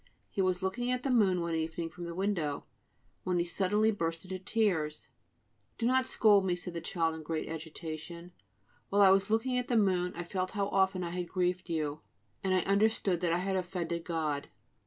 He was looking at the moon one evening from the window, when he suddenly burst into tears. "Do not scold me," said the child in great agitation; "while I was looking at the moon I felt how often I had grieved you, and I understood that I had offended God."